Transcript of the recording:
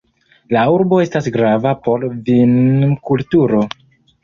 La urbo estas grava por vinkulturo.